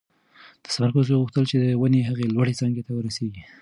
د ثمرګل زوی غوښتل چې د ونې هغې لوړې څانګې ته ورسېږي.